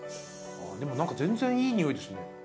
でも何か全然いい匂いですね。